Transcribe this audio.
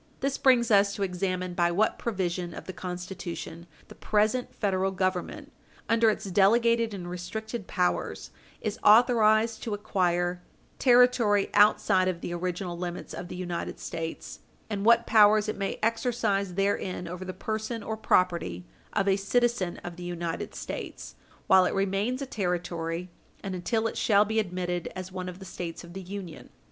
This brings us to examine by what provision of the Constitution the present Federal Government, under its delegated and restricted powers, is authorized to acquire territory outside of the original limits of the United States, and what powers it may exercise therein over the person or property of a citizen of the United States while it remains a Territory and until it shall be admitted as one of the States of the Union.